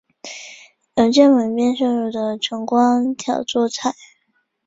借由门边射入的晨光挑著菜